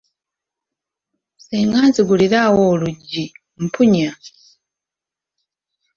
Senga nzigulirawo oluggi, mpunya.